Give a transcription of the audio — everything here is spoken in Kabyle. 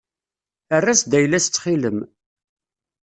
Err-as-d ayla-as ttxil-m.